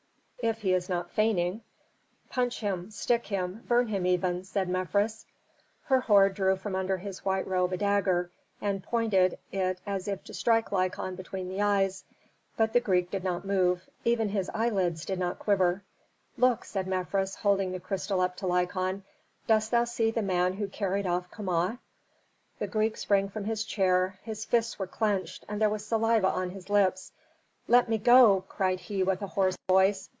"If he is not feigning." "Punch him, stick him, burn him even," said Mefres. Herhor drew from under his white robe a dagger and pointed it as if to strike Lykon between the eyes, but the Greek did not move, even his eyelids did not quiver. "Look!" said Mefres, holding the crystal up to Lykon. "Dost thou see the man who carried off Kama?" The Greek sprang from his chair, his fists were clenched, and there was saliva on his lips. "Let me go!" cried he with a hoarse voice.